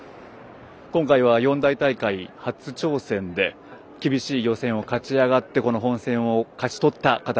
今回は四大大会初挑戦で厳しい予選を勝ち上がって本戦を勝ち取った形。